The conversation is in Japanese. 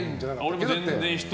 俺も全然。